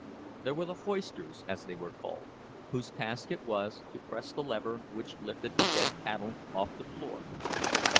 There were the "hoisters," as they were called, whose task it was to press the lever which lifted the dead cattle off the floor.